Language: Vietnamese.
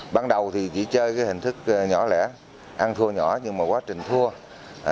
ban đầu thì chỉ chơi hình thức nhỏ lẻ ăn thua nhỏ nhưng mà quá trình thua